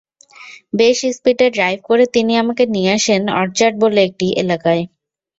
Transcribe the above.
বেশ স্পিডে ড্রাইভ করে তিনি আমাকে নিয়ে আসেন অরচার্ড বলে একটি এলাকায়।